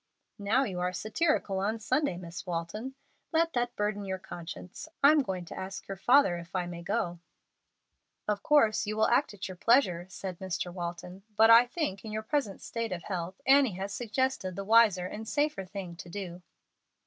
"Now you are satirical on Sunday, Miss Walton. Let that burden your conscience. I'm going to ask your father if I may go." "Of course you will act at your pleasure," said Mr. Walton, "but I think, in your present state of health, Annie has suggested the wiser and safer thing to do."